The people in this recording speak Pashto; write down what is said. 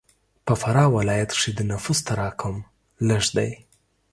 په فراه ولایت کښې د نفوس تراکم لږ دی.